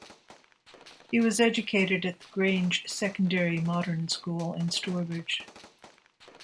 He was educated at the Grange Secondary Modern School in Stourbridge.